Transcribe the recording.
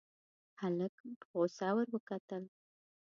هلک په غوسه ور وکتل.